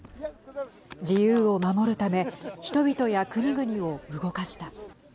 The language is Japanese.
自由を守るため人々や国々を動かした。